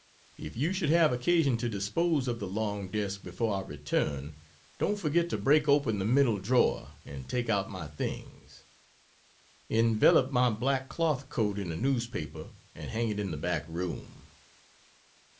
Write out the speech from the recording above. If you should have occasion to dispose of the long desk before I return, don't forget to break open the middle drawer and take out my things. Envelop my black cloth coat in a newspaper and hang it in the back room.